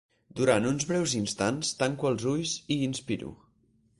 Durant uns breus instants, tanco els ulls i inspiro.